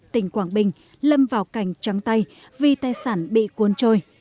tỉnh quảng bình lâm vào cảnh trắng tay vì tài sản bị cuốn trôi